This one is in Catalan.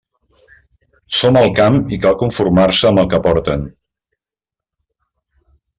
Som al camp i cal conformar-se amb el que porten.